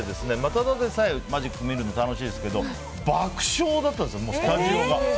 ただでさえマジック見るの楽しいですけど爆笑だったんですよ、スタジオが。